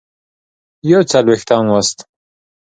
یوڅلوېښتم لوست